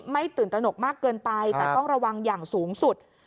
ตื่นตระหนกมากเกินไปแต่ต้องระวังอย่างสูงสุด